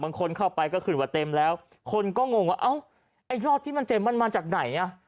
บางคนเข้าไปก็คือว่าเต็มแล้วคนก็งงว่าไอ้ยอดที่มันเต็มมันมาจากไหน